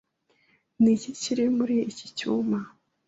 Niki kiri muri iki cyuma?